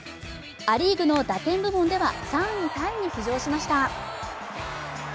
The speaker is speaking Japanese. ア・リーグの打点部門では３位タイに浮上しました。